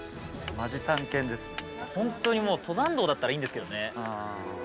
ホントにもう登山道だったらいいんですけどね。